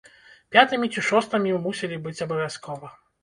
Пятымі ці шостымі мы мусілі быць абавязкова.